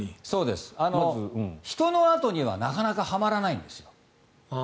そうです、人の跡にはなかなかはまらないんです。